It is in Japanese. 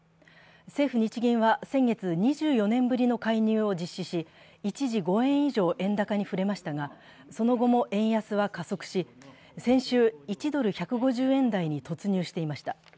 政府日銀は先月、２４年ぶりの介入を実施し、一時５円以上、円高に振れましたが、その後も円安は加速し、先週、１ドル＝１５０円台に突入していました。